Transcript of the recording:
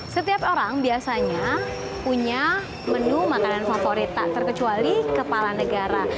setiap orang biasanya punya menu makanan favorit tak terkecuali kepala negara